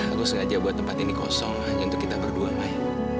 aku sengaja buat tempat ini kosong hanya untuk kita berdua main